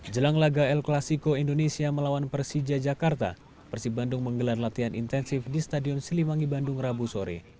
jelang laga el klasiko indonesia melawan persija jakarta persib bandung menggelar latihan intensif di stadion siliwangi bandung rabu sore